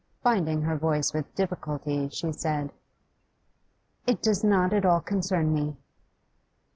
Binding her voice with difficulty, she said: 'It does not at all concern me.